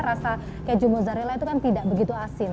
rasa keju mozzarella itu kan tidak begitu asin